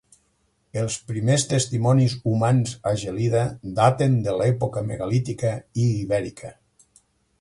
Els primers testimonis humans a Gelida daten de l'època megalítica i ibèrica.